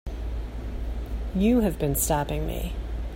You have been stopping me.